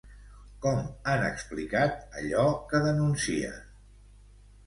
Com han explicat allò que denuncien?